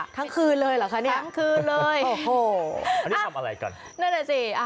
ทั้งคืนเลยเหรอคะเนี่ยโอ้โฮอันนี้ทำอะไรก่อนนั่นแหละสิ